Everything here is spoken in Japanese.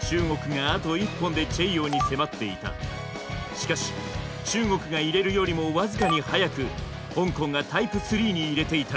しかし中国が入れるよりも僅かにはやく香港がタイプ３に入れていた。